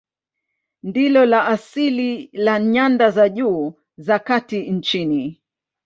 Ndilo la asili la nyanda za juu za kati nchini.